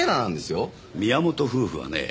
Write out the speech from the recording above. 宮本夫婦はね